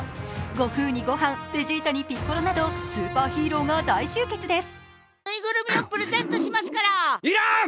悟空に悟飯、ベジータにピッコロなどスーパーヒーローが大集結です。